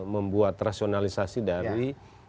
membuat rasionalisasi dari